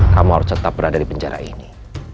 kamu harus tetap berada di penjara ini